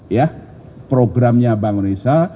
ya programnya bank indonesia